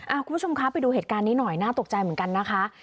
คุณผู้ชมคะไปดูเหตุการณ์นี้หน่อยน่าตกใจเหมือนกันนะคะ